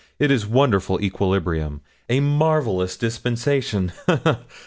It is a wonderful equilibrium a marvellous dispensation ha, ha!'